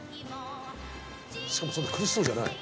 しかもそんな苦しそうじゃない。